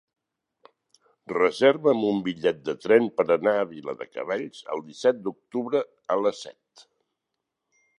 Reserva'm un bitllet de tren per anar a Viladecavalls el disset d'octubre a les set.